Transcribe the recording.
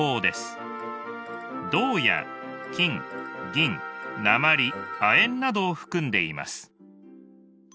銅や金銀鉛亜鉛などを含んでいます。